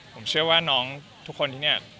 ผมเชื่อว่าน้องทุกคนที่นี่